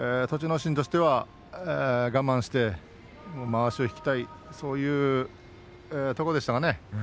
心としては我慢してまわしを引きたいそういうところでしたかね。